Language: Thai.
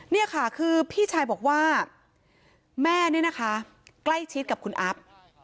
นี่ค่ะคือพี่ชายบอกว่าแม่เนี่ยนะคะใกล้ชิดกับคุณอัพ